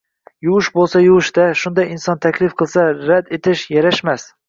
Yuvish bo`lsa, yuvish-da, shunday inson taklif qilsa, rad etish yarashmas